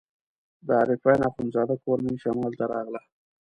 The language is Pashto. د عارفین اخندزاده کورنۍ شمال ته راغله.